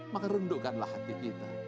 maka rendukkanlah hati kita